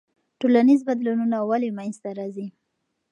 ټولنیز بدلونونه ولې منځ ته راځي؟